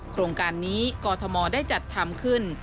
โครงการนี้กรทมได้จัดทำขึ้น